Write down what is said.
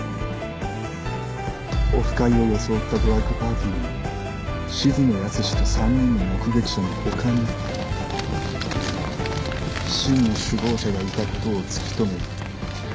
オフ会を装ったドラッグパーティーに静野保志と３人の目撃者の他に真の首謀者がいた事を突き止める